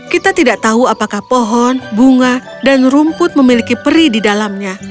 kita tidak tahu apakah pohon bunga dan rumput memiliki peri di dalamnya